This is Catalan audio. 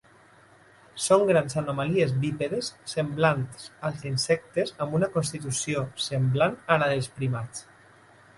Són grans anomalies bípedes semblants als insectes amb una constitució semblant a la dels primats.